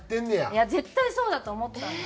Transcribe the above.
いや絶対そうだと思ったんです。